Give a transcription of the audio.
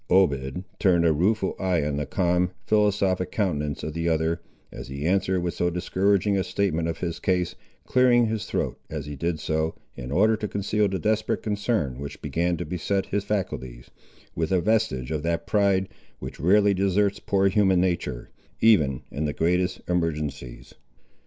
Obed turned a rueful eye on the calm, philosophic countenance of the other, as he answered with so discouraging a statement of his case, clearing his throat, as he did so, in order to conceal the desperate concern which began to beset his faculties, with a vestige of that pride, which rarely deserts poor human nature, even in the greatest emergencies.